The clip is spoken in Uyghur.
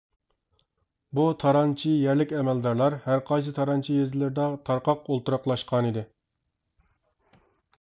بۇ تارانچى يەرلىك ئەمەلدارلار ھەرقايسى تارانچى يېزىلىرىدا تارقاق ئولتۇراقلاشقانىدى.